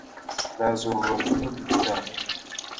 دا ضرورتونو ده.